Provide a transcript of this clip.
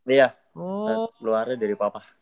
iya keluarnya dari papa